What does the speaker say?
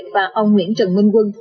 và ông nguyễn trần minh quân